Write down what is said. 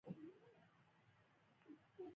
په شوروي کې پرمختګ یوازې تر هغو برخو پورې محدود و.